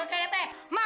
gak ada yang nganas lu